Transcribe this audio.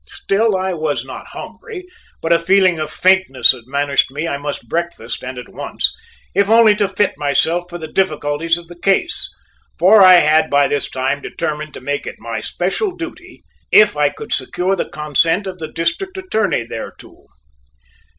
Still I was not hungry, but a feeling of faintness admonished me I must breakfast and at once, if only to fit myself for the difficulties of the case, for I had by this time determined to make it my special duty, if I could secure the consent of the District Attorney thereto.